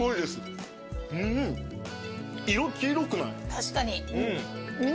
確かに。